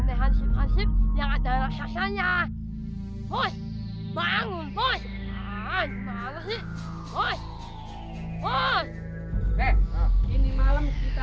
perhatian perhatian warga kumpul